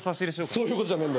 そういうことじゃねえんだ。